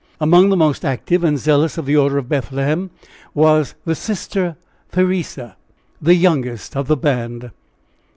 Among the most active and zealous of the order of Bethlehem was the Sister Theresa, the youngest of the band.